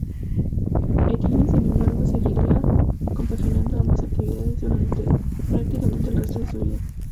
Étienne, sin embargo, seguiría compaginando ambas actividades durante prácticamente el resto de su vida.